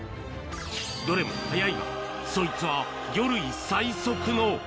どれも速いが、そいつは魚類最速の。